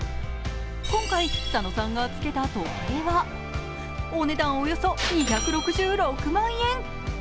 今回佐野さんがつけた時計は、お値段およそ２６６万円。